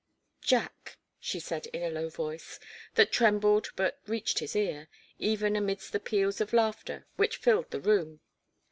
"Jack!" she said, in a low voice, that trembled but reached his ear, even amidst the peals of laughter which filled the room.